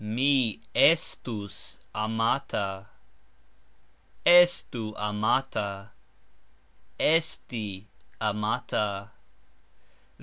Mi estus amata. Estu amata. Esti amata.